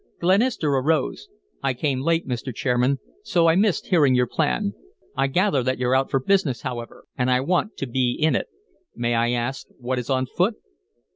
Glenister arose. "I came late, Mr. Chairman, so I missed hearing your plan. I gather that you're out for business, however, and I want to be in it. May I ask what is on foot?"